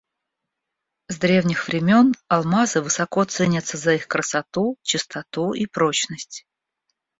С древних времен алмазы высоко ценятся за их красоту, чистоту и прочность.